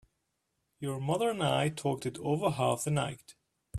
Your mother and I talked it over half the night.